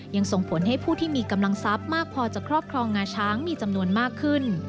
ส่งผลให้ผู้ที่มีกำลังทรัพย์มากพอจะครอบครองงาช้างมีจำนวนมากขึ้น